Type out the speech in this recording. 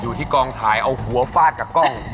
อยู่ที่กองถ่ายเอาหัวฟาดกับกล้อง